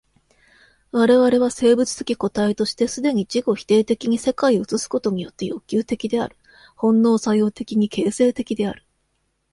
我々は生物的個体として既に自己否定的に世界を映すことによって欲求的である、本能作用的に形成的である。